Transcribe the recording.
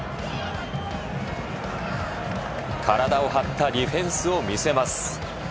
体を張ったディフェンスを見せます。